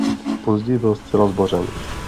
Později byl zcela zbořen.